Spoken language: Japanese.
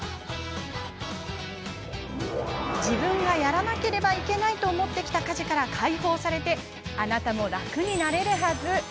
自分がやらなければいけないと思ってきた家事から解放されてあなたも楽になれるはず！